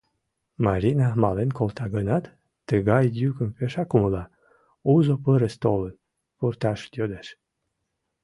Марина мален колта гынат, тыгай йӱкым пешак умыла: узо пырыс толын, пурташ йодеш.